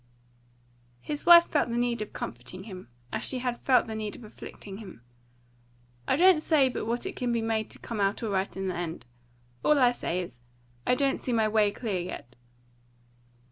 His wife felt the need of comforting him, as she had felt the need of afflicting him. "I don't say but what it can be made to come out all right in the end. All I say is, I don't see my way clear yet."